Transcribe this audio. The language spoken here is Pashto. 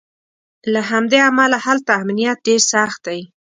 له همدې امله هلته امنیت ډېر سخت دی.